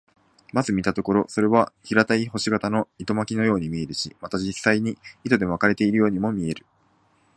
まず見たところ、それは平たい星形の糸巻のように見えるし、また実際に糸で巻かれているようにも見える。